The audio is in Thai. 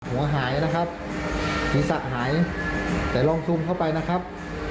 หัวหายนะครับผีสักหายแต่ลองทุ่มเข้าไปนะครับ